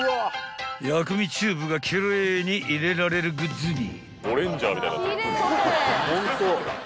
［薬味チューブが奇麗に入れられるグッズに］